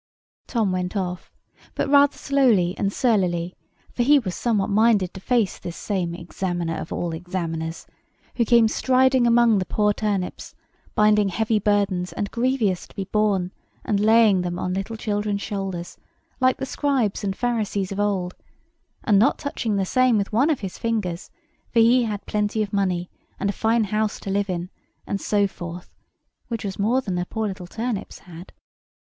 Tom went off: but rather slowly and surlily; for he was somewhat minded to face this same Examiner of all Examiners, who came striding among the poor turnips, binding heavy burdens and grievous to be borne, and laying them on little children's shoulders, like the Scribes and Pharisees of old, and not touching the same with one of his fingers; for he had plenty of money, and a fine house to live in, and so forth; which was more than the poor little turnips had.